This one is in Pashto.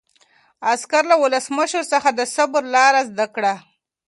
عسکر له ولسمشر څخه د صبر لاره زده کړه.